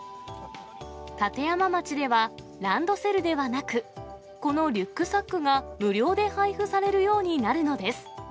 立山町では、ランドセルではなく、このリュックサックが無料で配布されるようになるのです。